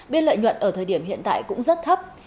biên lợi nhuận ở thời điểm hiện tại cũng rất thấp